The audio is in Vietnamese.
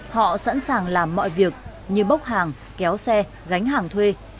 họ sẵn sàng làm mọi việc như bốc hàng kéo xe gánh hàng thuê